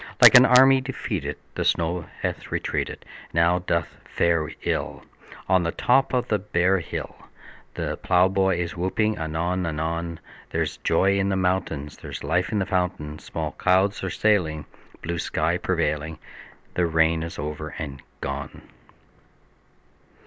Like an army defeated The snow hath retreated, And now doth fare ill On the top of the bare hill; The plowboy is whooping anon anon: There's joy in the mountains; There's life in the fountains; Small clouds are sailing, Blue sky prevailing; The rain is over and gone!